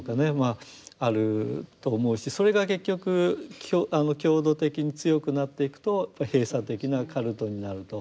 あると思うしそれが結局強度的に強くなっていくとやっぱり閉鎖的なカルトになると。